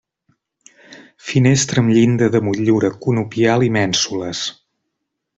Finestra amb llinda de motllura conopial i mènsules.